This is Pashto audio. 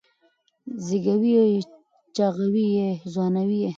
زېږوي یې چاغوي یې ځوانوي یې